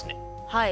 はい。